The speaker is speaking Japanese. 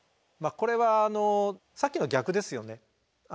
これはさっきの逆ですよね。